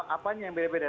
apanya yang beda beda